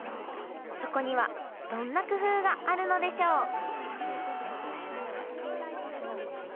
そこにはどんな工夫があるのでしょう？